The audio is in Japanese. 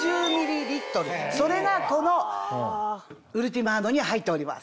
それがこのウルティマーノに入っております。